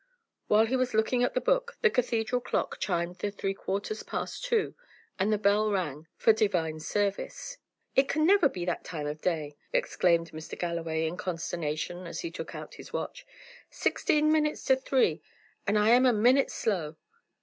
While he was looking at the book, the cathedral clock chimed the three quarters past two, and the bell rang for divine service. "It can never be that time of day!" exclaimed Mr. Galloway, in consternation, as he took out his watch. "Sixteen minutes to three! and I am a minute slow!